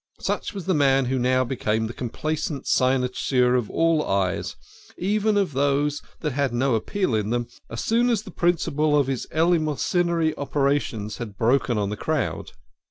Such was the man who now became the complacent cyno sure of all eyes, even of those that had no appeal in them, as soon as the principle of his eleemosynary operations had broken on the crowd.